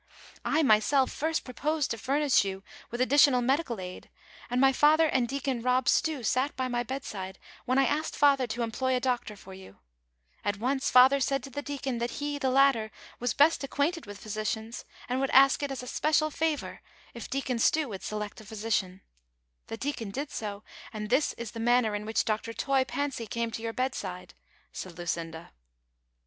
I myself first proposed to furnish you with addi tional medical aid, and my father and Deacon Rob Stew sat by my bedside when I asked father to employ a doctor for you ; at once father said to the deacon that he, the lat ter, was best acquainted with physicians, and would ask it as a special favor if Deacon Stew would select a physician ; the deacon did so, and this is the manner in which Dr. Toy Fancy came to your bedside," said Lucinda.